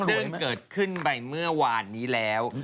ซึ่งเกิดขึ้นไปเมื่อวานนี้แล้ว